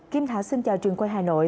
kim thảo xin chào trường quê hà nội